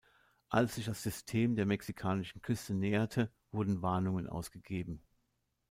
Als sich das System der mexikanischen Küste näherte wurden Warnungen ausgegeben.